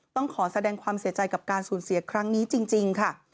ต้องขอแสดงความเสียใจกับการสูญเสียครั้งนี้จริงค่ะ